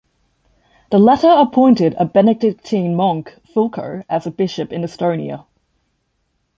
The latter appointed a Benedictine monk Fulco as a bishop in Estonia.